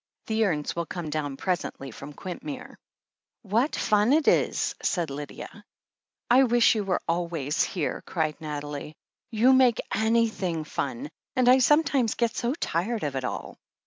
The urns will come down presently from Quintmere." "What fun it is !" said Lydia. "I wish you were always here!" cried Nathalie. "You'd make anything ftm, and I sometimes get so tired of it all."